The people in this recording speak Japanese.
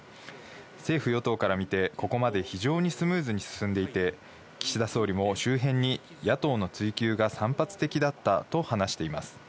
政府・与党から見て、ここまで非常にスムーズに進んでいて、岸田総理も周辺に野党の追及が散発的だったと話しています。